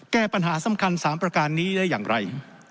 แก้ปัญหาสำคัญ๓ประการนี้ได้อย่างไร